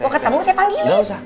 ketemu saya panggilin